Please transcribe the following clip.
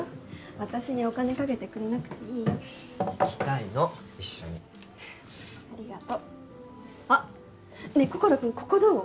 私にお金かけてくれなくていいよ行きたいの一緒にありがとうあっねえ心君ここどう？